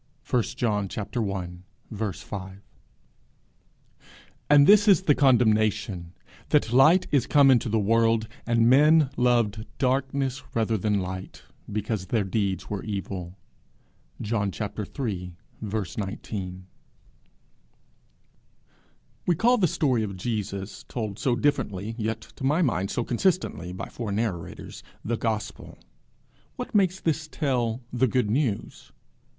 _ 1 John i. 5. _And this is the condemnation, that light is come into the world, and men loved darkness rather than light; because their deeds were evil._ John iii. 19. We call the story of Jesus, told so differently, yet to my mind so consistently, by four narrators, the gospel. What makes this tale the good news?